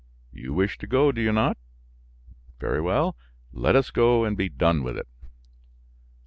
You wish to go, do you not? Very well, let us go and be done with it."